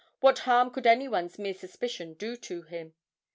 What harm could anyone's mere suspicion do him?